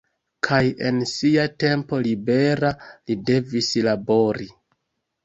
Kaj en sia tempo libera li devis labori.